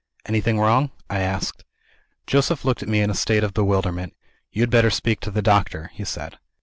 "Anything wrong?" I asked. Joseph looked at me in a state of bewilderment. "You had better speak to the doctor," he said.